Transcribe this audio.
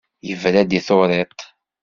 Yebra-d i turiḍt.